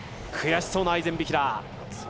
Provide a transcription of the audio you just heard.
悔しそうなアイゼンビヒラー。